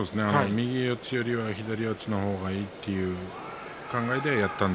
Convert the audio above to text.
右四つよりは左四つの方がいいという考えでしょうね。